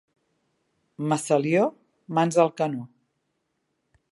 Massalió, mans al canó.